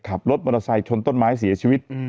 ขับรถมอเตอร์ไซค์ชนต้นไม้เสียชีวิต